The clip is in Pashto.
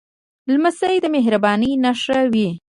لمسی د مهربانۍ نښه وي.